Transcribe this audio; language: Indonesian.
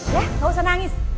ya gak usah nangis